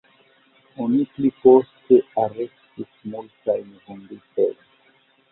Oni pli poste arestis multajn vunditojn.